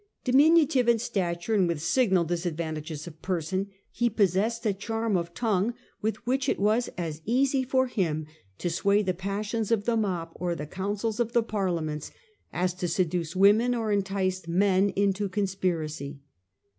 Diminutive in stature, and with signal disadvantages of person, he possessed a charm of tongue with which it was as easy for him to sway the passions of the mob or the councils of the Parliament, as to seduce women or entice men into conspiracy.